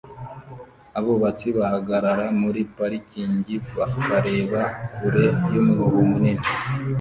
abubatsi bahagarara muri parikingi bakareba kure yumwobo munini